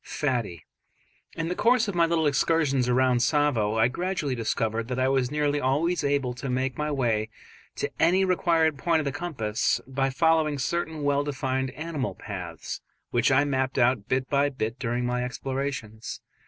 "Fattie"). In the course of my little excursions round Tsavo I gradually discovered that I was nearly always able to make my way to any required point of the compass by following certain well defined animal paths, which I mapped out bit by bit during my explorations.